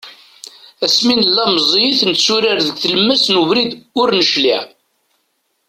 Asmi nella meẓẓiyit netturar di tlemmast n ubrid, ur necliε.